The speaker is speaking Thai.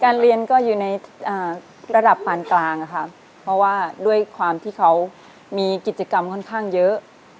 เรียนก็อยู่ในระดับปานกลางค่ะเพราะว่าด้วยความที่เขามีกิจกรรมค่อนข้างเยอะ